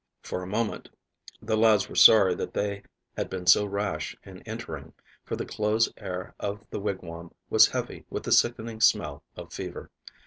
For a moment, the lads were sorry that they had been so rash in entering, for the close air of the wigwam was heavy with the sickening smell of fever.